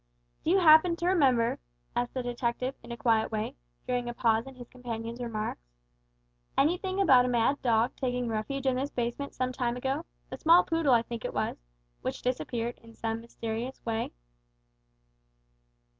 "Do you happen to remember," asked the detective, in a quiet way, during a pause in his companion's remarks, "anything about a mad dog taking refuge in this basement some time ago a small poodle I think it was which disappeared in some mysterious way?"